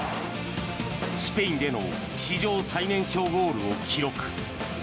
スペインでの史上最年少ゴールを記録。